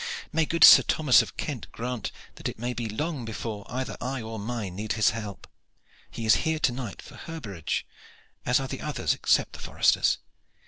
May good St. Thomas of Kent grant that it may be long before either I or mine need his help! He is here to night for herbergage, as are the others except the foresters.